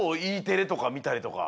Ｅテレとかみたりとか？